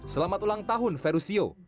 selamat ulang tahun ferruccio